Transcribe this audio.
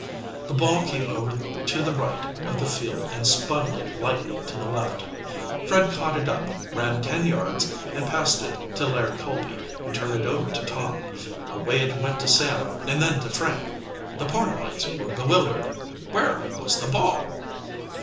The ball came over to the right of the field and spun like lightning to the left. Fred caught it up, ran ten yards, and passed it to Larry Colby, who turned it over to Tom. Away it went to Sam, and then to Frank. The Pornellites were bewildered. Where was the ball?